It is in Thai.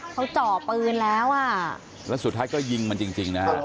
เขาเจาะปืนแล้วแล้วสุดท้ายก็ยิงมันจริงนะครับ